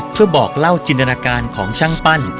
เพื่อบอกเล่าจินตนาการของช่างปั้น